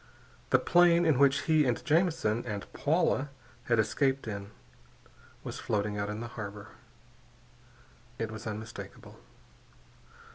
The plane in which he and Jamison and Paula had escaped in was floating out in the harbor. It was unmistakable.